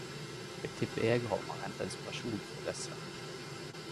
Eg tippar Egholm har henta inspirasjon frå desse.